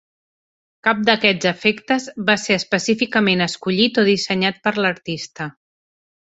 Cap d'aquests efectes va ser específicament escollit o dissenyat per l'artista.